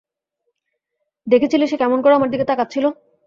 দেখেছিলে সে কেমন করে আমার দিকে তাকাচ্ছিলো?